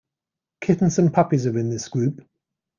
Kittens and puppies are in this group.